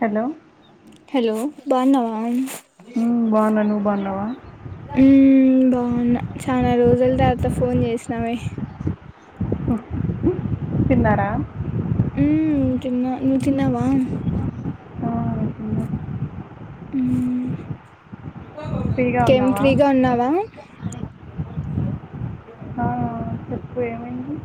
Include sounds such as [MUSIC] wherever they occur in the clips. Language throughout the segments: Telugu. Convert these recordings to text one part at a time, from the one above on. హలో హలో బాన్నావాన్ మ్మ్, బాగున్నా నువ్వు బాగున్నావా ఊ హు బాగున్నా చాలా రోజుల తర్వాత ఫోన్ చేసినావే తిన్నారా ఊ తిన్నా నువ్వు తిన్నావా ఆ తిన్నా ఊ ఫ్రీగా ఇంకేం ఉన్నావా ఫ్రీగా ఉన్నావా [UNINTELLIGIBLE] ఆ ఆ పోయామండి.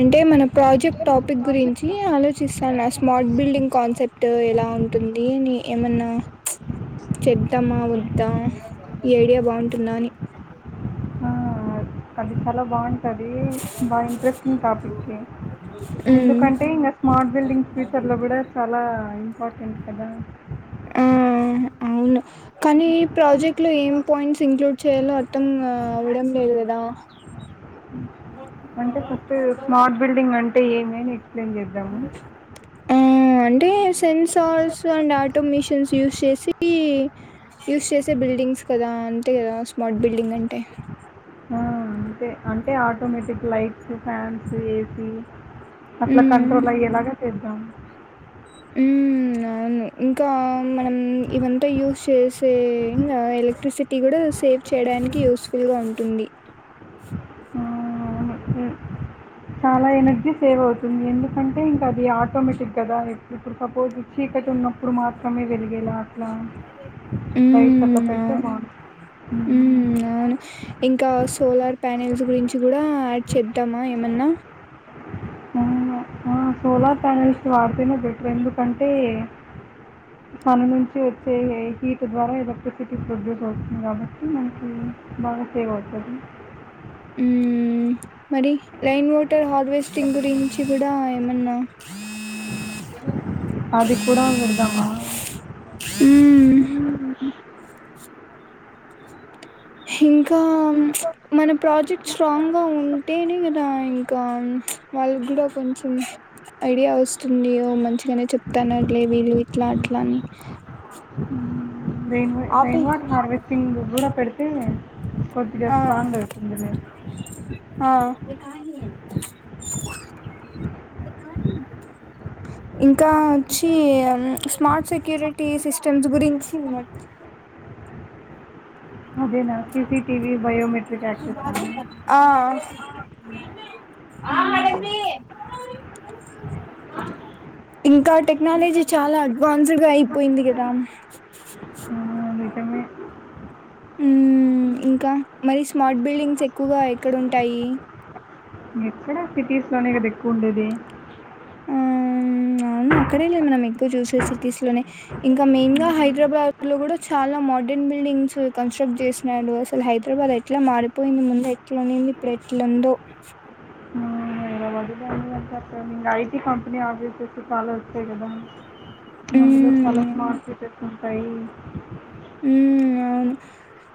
అంటే మన ప్రాజెక్ట్ టాపిక్ గురించి ఆలోచిస్తాన్న స్మార్ట్ బిల్డింగ్ కాన్సెప్ట్ ఎలా ఉంటుంది అని ఏమన్నా చేద్దామా వద్దా ఈ ఐడియా బాగుంటుందా అని కలితాల బాగుంటాయి ది బాగా ఇంట్రెస్టింగ్ టాపిక్కే ఉ ఎందుకంటే ఇంకా స్మార్ట్ బిల్డింగ్ ఫ్యూచర్లో కూడా చాలా ఇంపార్ట అంతే కదా ఆ ఆ అవును కానీ ఈ ప్రాజెక్ట్ లో ఏం పాయింట్స్ ఇంక్లూడ్ చేయాలో అర్థం అవ్వడం లేదూ కదా అంటే ఫస్ట్ స్మార్ట్ బిల్డింగ్ అంటే ఏమి ఏంలేదు ఏం చేద్దాము ఆ అంటే సే sensors and automations use చేసి యూస్ చేసే బిల్డింగ్స్ కదా అంతే కదా స్మార్ట్ బిల్డింగ్ అంటే ఆ అదే అంటే ఆటోమేటిక్ లైట్ ఇక ఫ్యాన్స్ ఏసీ అట్లా ఉమ్ కంంట్రోల్ అయ్యే లాగా ఇదం అవును ఇంకా మనం ఇవంతా యూజ్ చేసే ఇంకా ఎలక్ట్రిసిటీ కూడా సేవ్ చేయడానికి యూస్ఫుల్ గా ఉంటుంది ఆ, చాలా ఎనర్జీ సేవ్ అవుతుంది ఎందుకంటే ఇంకా అది ఆటోమేటిక్ కదా ఓ వెలిగేలా అట్లా లైట్స్ అట్లా అవును పెడితే బావుం హ్మ్. అవును ఇంకా సోలార్ ప్యానెల్స్ గురించి కూడా చేద్దామా ఏమన్నా ఆ సోలార్ ప్యానెల్స్ వాడితేనే బెటర్ ఎందుకంటే సన్ నుంచి వచ్చే హీట్ ద్వారా ఎలక్ట్రిసిటీ ప్రొడ్యూస్ అవుతుంది కాబట్టి మనకి బాగా సేవ్ అవుతుంది ఉమ్ మరి లైన్ వాటర్ హార్వెస్టింగ్ గురించి కూడా ఏమన్నా అది కూడా విడుదమా ఉమ్ ఇంకా ఇంకా మన ప్రాజెక్ట్ స్ట్రాంగ్ గా ఉంటేనే కదా ఇంకా వాళ్ళ కూడా కొంచెం ఐడియా వస్తుంది ఓ మంచి నే చెప్తన్నారు లే వీళ్ళు ఇట్లా అట్లా అని రెయిన్ ఆపే రైన్ వాటర్ హార్వెస్టింగ్ కూడా పెడితే కొద్దిగా ఆ స్ట్రాంగ్ అవుతుందిలే. ఆ ఇంకా ఇంకా వచ్చి స్మార్ట్ సెక్యూరిటీ సిస్టమ్స్ గురించి మట్ అదేనా సీసీటీవీ బయోమెట్రిక్ యాక్సెస్ ఆ? ఆ మ ఇంకా టెక్నాలజీ చాలా అడ్వాన్స్ గా అయిపోయింది కదా అటమే ఉ ఇంకా మరి స్మార్ట్ బిల్డింగ్స్ ఎక్కువగా ఎక్కడ ఉంటాయి మీక్కడ సిటీస్ లోనే కదా ఎక్కువ ఉండేది ఆ! అవును. అక్కడేలే మనం ఎక్కువ చూసే సిటీస్‌లోనే. ఇంకా మెయిన్ గా హైదరాబాద్ ఇట్లో కూడా చాలా మోడ్రన్ బిల్డింగ్స్ కన్స్ట్రక్ట్ చేసినాడు అసలు హైదరాబాద్ ఎట్లా మారిపోయింది ముందు ఎట్లా ఉనింది ఇప్పుడు ఎట్లాందో ఆ, హైదరాబాద్లో అన్నీ అంటే ఐటీ కంపెనీ ఆఫీసస్ చాల వచ్చ కదా మందు చాలత్ హ్మ్. మత అయి అ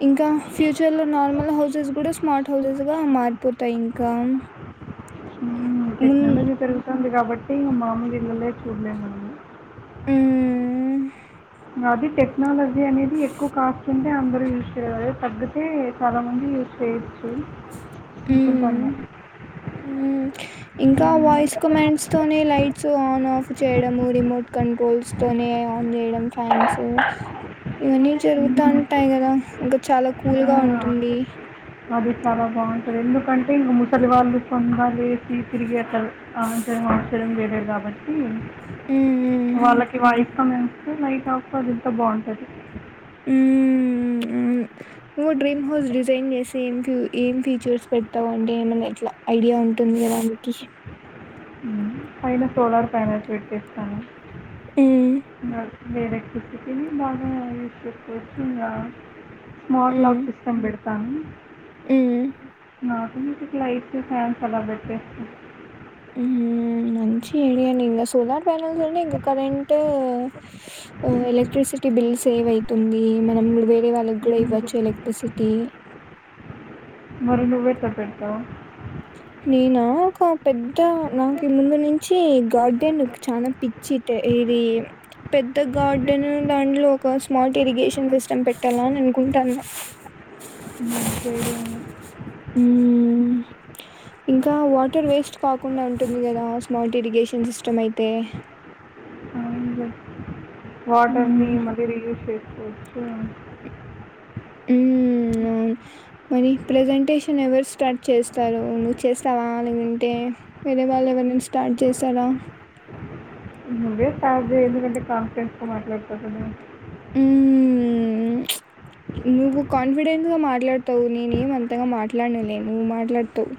ఇంకా ఫ్యూచర్ లో నార్మల్ హౌసెస్ కూడా స్మార్ట్ థౌసండ్స్ గా మారిపోతాయి ఇంకా మున్ టెక్నాలజీ పెరుగుతుంది కాబట్టి ఏ మాములే అన్ననే చూడలేను హ్మ్. అది టెక్నాలజీ అనేది ఎక్కువ కాస్ట్ ఉ అందరు యూజచేయాలి. తగ్గితే చాలా మంది యూస్ ఉ నేను. ఊ ఇంకా వాయిస్ కమాండ్స్ తోనే లైట్స్ ఆన్ ఆఫ్ చేయడము రిమోట్ కంట్రోల్స్ తోనే ఆన్ చేయడం ఫ్యాన్స్ ఇవన్నీ జరుగుతా ఉంటాయి కదా ఇంకా చాలా కూల్ గా ఆ, ఉంటుంది అది చాలా బాగుంటది. ఎందుకంటే ఇంకా ముసలి వాళ్ళు తొందర వేసి తిరిగేస్తారు. ఆ త మసరం గ గబన్ ఉమ్ ఊ వాళ్ళకి వాయిస్ కామెండ్ నైట్ ఆఫ్ అది ఎంత బాగుంటది ఊ ఊ నువ్వు డ్రీమ్ హౌస్ డిజైన్ చేసి ఏం ఫ ఏం ఫీచర్స్ పెడతావు అంటే ఏమన్నా ఎట్లా ఐడియా ఉంటుంది. కదానికి పైన సోలార్ ప్యానెల్స్ పెట్టి ఇస్తాను. ఉమ్ నా మేరకుృషకిని బాగా విష కోచుంద స్మార్ట్ లాక్ సిస్టమ్ పెడు బ ఊ ఆటోమేటిక్ లైట్స్ ఫ్యాన్స్ అలా పెట్టేస్తంది ఊ మంచి ఐడియా అండి ఇంకా సోలార్ ప్యానెల్స్ అంట ఇంకా కరెంట్ స్ ఎలెక్ట్రసిటీ బిల్స్ సేవ్ అవుతుంది మనం ఇ వేరే వాళ్ళ ఇవచ్చు ఎలక్ట్రిసిటీ తి మరి నువ్వే ఎట్లా పెడతావు నేనా ఒక పెద్ద నాకు ముందు నుంచి గార్డెన్ చాలా పిచ్చి ఇది పెద్ద గార్డెన్ దాంట్లో ఒక స్మార్ట్ ఇరిగేషన్ సిస్టమ్ పెట్టాలా అని అనుకుంటన్న. అకడు [UNINTELLIGIBLE] ఊ ఇంకా వాటర్ వేస్ట్ కాకుండా ఉంటుంది కదా స్మార్ట్ ఇరిగేషన్ సిస్టమ్ అయితే అవును వాటర్ని మ్మ్ మ రి ఉస్ చే చ్చా ఊ అవును మరి ప్రెజెంటేషన్ ఎవరు స్టార్ట్ చేస్తారు. నువ్వు చేస్తావా లేకుంటే వేరే వాళ్ళు ఎవరైనా స్టార్ట్ చేసారా నువ్వే స్టార్ట్ చేయి ఎందుకంటే కాన్ఫడెన్స్కో మాట్లాడుతాంటన్నావు. ఉ నువ్ కాన్ఫిడె గా మాట్లాడతావు నేను ఏమంతగా మాట్లాడనలే నువ్వు మాట్లాడుతావు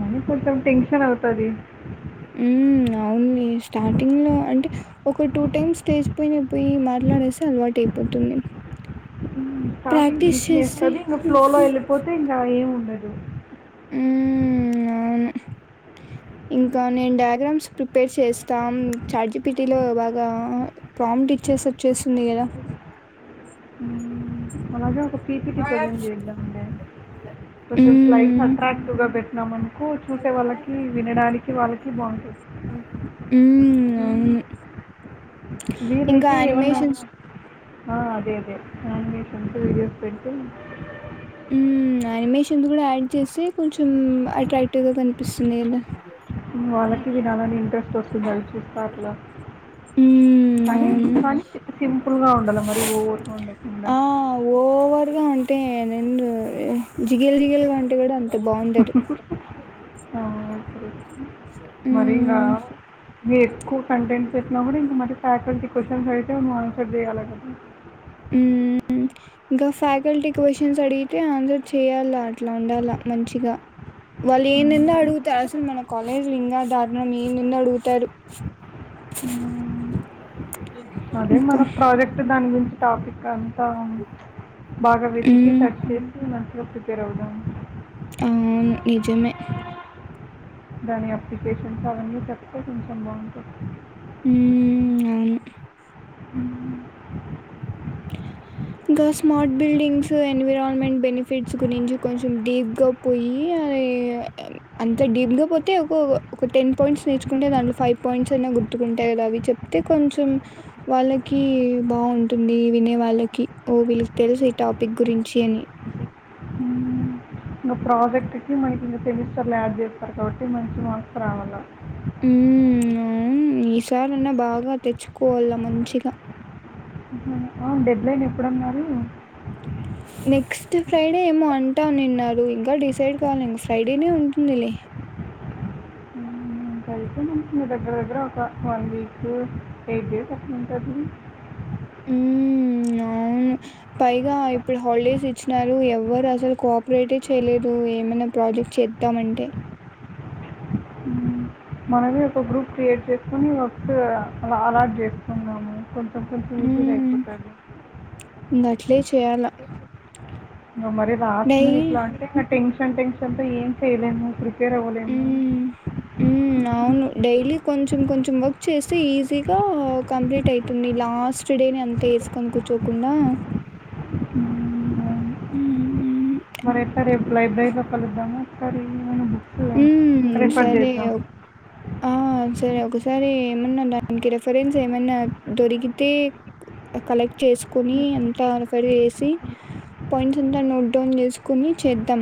మనీ కొంచెం టెన్షన్ అవుతది ఉ ఓన్లీ స్టార్టింగ్ లో అంటే, ఒక టూ టైమ్స్ స్టేజ్ పోయినా పోయి మాట్లాడేస్తే అలవాటు అయిపోతుంది స్టార్టింగ్ గుచనిస్తది ఇంకా ఫ్ లో లో వెళ్ళిపోతే ఇంకా ఏమి ఉండదు హ్మ్. అవును. ఇంకా నేను డయాగ్రామ్స్ ప్రిపేర్ చేస్తాం చార్జిపిటీలో బాగా ప్రాబ్ట్ ఇచ్చేసి వచ్చేస్తుంది కదా మ్ వలాజా ఒక [UNINTELLIGIBLE] ప్రజెంట్ చేద్దాండి కొంచెం స్లైడ్స్ హ్మ్. అట్రాక్టివ్గా పెట్టినాం అనుకో చూసే వాళ్ళకి వినడానికి వాళ్ళకి బాగుంటుంది, హ్మ్. అవును. ఇంకా వీరైతే ఏమన్నా యానిమేషన్స్ అ అదే [UNINTELLIGIBLE] వీడియోస్ పెట్ మ్ అనిమేషన్ కూడా యాడ్ చేస్తే కొంచెం అట్రాక్టివ్ గా కనిపిస్తుంది కదా వాళ్ళకి వినాలని ఇంట్రెస్ట్ వస్తుంది చూస్తా అట్లా హ్మ్. కానీ అవును. కానీ సింపుల్ గా ఉండాల మరి ఓవర్ ఉండకుండా తె నేన్ జిగలు జిగేలుగా ఉంటే కూడా అంత బాగుండదు అ మరి ఇంకా హ్మ్. మీ ఎక్కువ కంటెంట్స్ చెసినా కూడా ఇంకా మరి ఫ్యాకల్ క్వశ్చన్స్ చె మన ఫది అలా కద ఉ ఇంకా ఫ్యాకల్టీ క్వశ్చన్స్ అడిగితే ఆన్సర్ చేయాలాం ట్లా ఉండాల మంచిగా వాళ్ళు ఏం ని అడుగుతారు అసలు మన కాలేజీ ఇంకా దారుణం ఏ ని అడుగుత తరు అదే ఇంకా మన ప్రాజెక్ట్ దాని గురించి టాపిక్ అని బాగా వెతికి హ్మ్. సచ్చంది రప్పిపేర్ ఉం అవు నిజమే దాని అప్లికేషన్స్ అవన్నీ చెప్తే కొంచెం బాగుంటుంది హ అను హ గ స్మార్ట్ బిడింగ్స్ ఎన్విరాన్మెంట్ బెనిఫిట్స్ గురించి కొంచెం డీప్గా పోయి అ అంత డీప్ గా పోతే ఒక ఒక టెన్ పాయింట్స్ నేర్చుకుంటే దాంట్లో ఫైవ్ పాయింట్స్ అయినా గుర్తుకుంటాయి కదా అవి చెప్తే కొంచెం వాళ్ళకి బాగుంటుంది వినే వాళ్ళకి ఓ విల్ తెలుసు ఈ టాపిక్ గురించి అని ఇంకా ప్రాజెక్ట్కి మకి ఇంకా సెమిస్టర్లు యాడ్ చేస్తారు కాబట్టి మంచి మార్క్స్ రావాలి వు విచారణ బాగా తెచ్చుకోవాల మంచిగా డెబ లైన్ ఎప్పుడున్నారు నెక్స్ట్ ఫ్రైడే ఏమో అంటా నిన్నారు ఇంకా డిసైడ్ కావాలి ఇంక ఫ్రైడేనే ఉంటుందిలే ంతయితే మ మీ దగ్గర దగ్గర ఒక వన్ వీక్ ఎయిట్ డేస్ అక్కలా ఉంటుంది హు అవును పైగా ఇప్పుడు హాలిడేస్ ఇచ్చినారు ఎవ్వరు అసలు కోఆపరేటే చేయలేదు ఏమైనా ప్రాజెక్ట్ చేద్దామ అంటే మనమే ఒక గ్రూప్ క్రియేట్ చేసుకొని వ అలా అలాట్ చేస్తుకుద్దాము కొం కొంచెం ఈజీగా హ్మ్. అయిపోతంది ఇంగట్లే చేయాల. ఇంకా మరి డై రాసున్నా ఇట్లా అంటే టెన్షన్ టెన్షన్ తో ఏం చేయలే ప్రిపేర్ అవ్వలేము ఉ అవును డై లి కొంచెం కొంచెం వర్క్ చేస్తే ఈజీగా కంప్లీట్ అయితుంది లాస్ట్ డే ని అంత వేసుకని కూర్చోకుండా హ్మ్. మరి ఎట్ల రేపు లైబ్రరీ లో కలుద్దామా ఒకేసారి సరే ఆ సరే ఒకసారి ఏమన్నా దానికి రెఫరెన్స్ మ దొరికితే కలక్ట్ చేసుకుని అంత అనుపరి చేేసి పాయింట్స్ అంతా నోట్ డౌన్ చేసుకుని చేద్దాం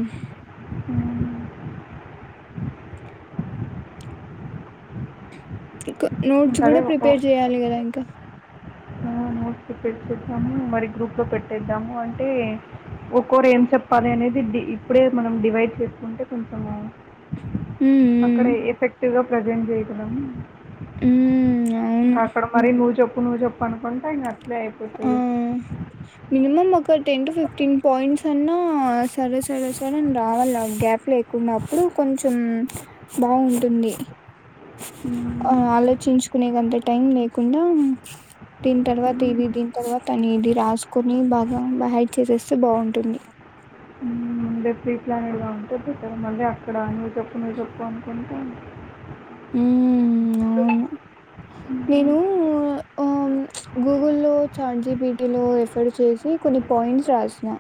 ఇ నోట్స్ ఇంకా అదే కూడా ప్రిపేర్ చెయాలి కదా ఇంకా నోట్స్ ప్రిపేర్ చేద్దాం మరి గ్రూప్ లో పెట్టేద్దాము అంటే ఒక్కోరు ఏం చెప్పాలి అనేది ఇప్పుడే మనం డివైడ్ చేసుకుంటే కొంచెము ఉమ్, అక్కడ ఎఫెక్టివ్ గా ప్రెజెంట్ చేయ పలం అ ఇకా అక్కడ మరి నువు చెప్ప నువు చెప్పు అనుకుంటా ఇంగ అయిపోతది మినిమం ఒక టెన్ టు ఫిఫ్టీన్ పాయింట్స్ అన్నా ఆ సరే సరే సరే రావాల గ్యాప్ లేకున్నప్పుడు కొంచెం బాగుంటుంది ఆ ఆలోచించుకునేకంత టైం లేదు లేకుండా తిని తర్వాత దిీ దీని తర్వాత అని ఇది రాసుకొని బాగా బై హైడ్ చేసేస్తే బాగుంటుంది అే ఫీప్లా అనేలా ఉంటే బెటర్ మళ్ళీ అక్కడ నువ్వు చెప్పు నువ్వు చెప్పు అనుకుంటా హు అవును నేను గూగుల్ లో చార్ట్ జిపిటీలో ఎఫర్ చేసి కొన్ని పాయింట్స్ రాసిన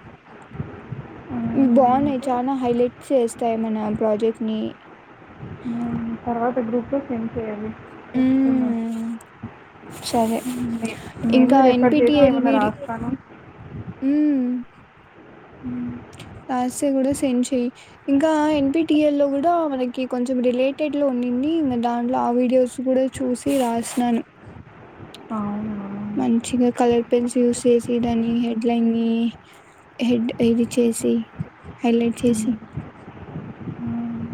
బాగున్నాయి చాలా హైలైట్ చేస్తాయి మన ప్రాజెక్ట్ ని తర్వాత గ్రూప్ లో సెడ్ చేయ్యాలి చెకున్నా హ్మ్. సరే. నే నేను ఇంకా రెఫర్ చేస్తే ఏమన్నా రాస్తాను ఉమ్ హ లాస్ే కూడా సెండ్ చెయి ఇంకా ఎన్పిటిఎల్ లో కూడా మనకి కొంచెం రిలేటెడ్ లో ఉన్నింది ఇంకా దాంట్లో ఆ వీడియోస్ గూడా చూసి రాసినాను. అవును మంచిగా కలర్ పెన్స్ యూస్ చేసి దాని హెడ్లైన్ ని హెడ్ ఇది చేసి హైలైట్ చేసి మ్మ్.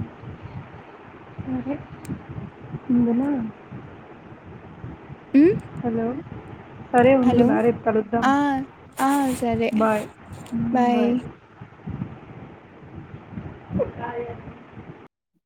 సరే వుందునా హ్మ్ హలో సరే ఉండు హలో! నారేపు కలుద్దాం ఆ ఆ సరే బాయ్ బాయ్ కాయన